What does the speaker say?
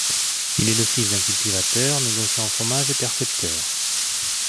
Il est le fils d’un cultivateur, négociant en fromages et percepteur.